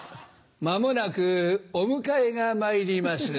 まもなくお迎えが参ります。